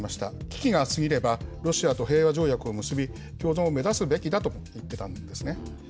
危機が過ぎればロシアと平和条約を結び、共存を目指すべきだと言ってたんですね。